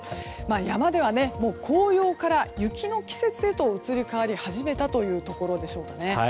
山では紅葉から雪の季節へと移り始めたというところでしょうか。